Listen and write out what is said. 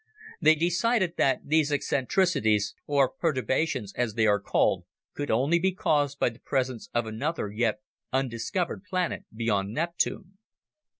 They decided that these eccentricities (or perturbations, as they are called) could only be caused by the presence of another, yet undiscovered planet beyond Neptune.